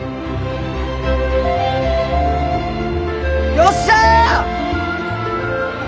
よっしゃ！